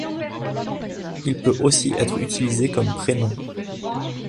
Il peut aussi être utilisé comme prénom.